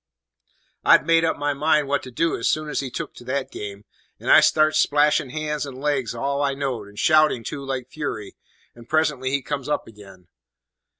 "I'd made up my mind what to do as soon as he took to that game; and I starts splashing hands and legs all I knowed, and shouting too, like fury; and presently he comes up again.